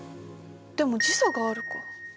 でも時差があるか。